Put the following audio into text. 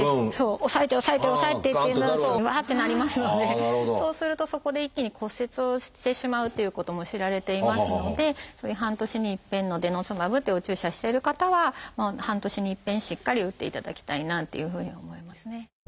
抑えて抑えて抑えてっていうのがうわってなりますのでそうするとそこで一気に骨折をしてしまうということも知られていますのでそういう半年に一遍のデノスマブというお注射してる方は半年に一遍しっかり打っていただきたいなというふうに思いますね。